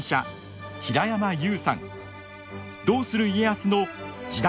「どうする家康」の時代